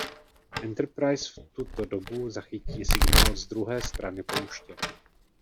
Enterprise v tuto dobu zachytí signál z druhé strany pouště.